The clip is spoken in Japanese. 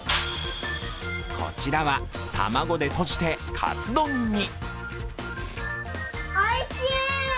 こちらは卵でとじてカツ丼に。